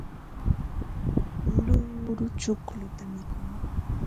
luuru chuqlluta mikun.